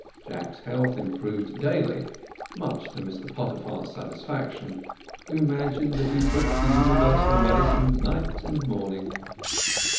Jack's health improved daily, much to Mr Pottyfar's satisfaction, who imagined that he took the universal medicine night and morning.